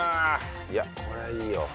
いやこれはいいよ。